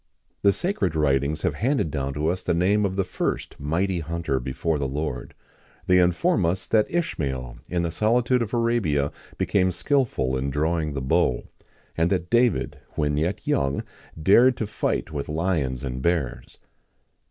The sacred writings have handed down to us the name of the first mighty hunter before the Lord;[XIX 1] they inform us that Ishmael, in the solitude of Arabia, became skilful in drawing the bow;[XIX 2] and that David, when yet young, dared to fight with lions and bears.